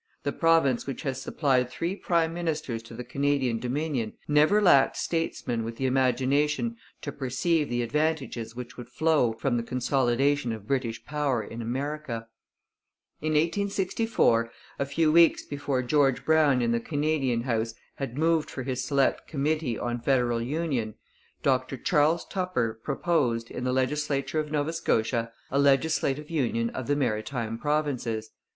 The province which has supplied three prime ministers to the Canadian Dominion never lacked statesmen with the imagination to perceive the advantages which would flow from the consolidation of British power in America. In 1864, a few weeks before George Brown in the Canadian House had moved for his select committee on federal union, Dr Charles Tupper proposed, in the legislature of Nova Scotia, a legislative union of the Maritime Provinces.